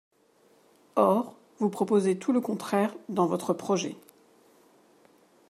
Or vous proposez tout le contraire dans votre projet.